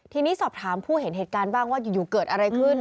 ทีนี้สอบถามผู้เห็นเหตุการณ์บ้างว่าอยู่เกิดอะไรขึ้น